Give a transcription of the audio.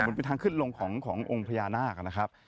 มันเป็นทางขึ้นลงขององค์พญานาค